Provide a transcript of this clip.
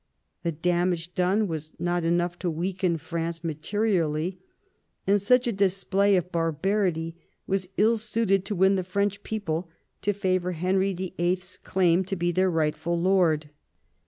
The damage done was not enough to weaken France materially, and such a display of barbarity was ill suited to win the French people to favour Henry VIIL's claim to be their rightful lord.